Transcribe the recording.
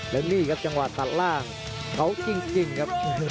และนี่ครับจังหวะตัดล่างเขาจริงครับ